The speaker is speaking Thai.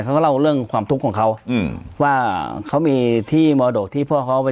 เขาก็เล่าเรื่องความทุกข์ของเขาอืมว่าเขามีที่มรดกที่พ่อเขาไป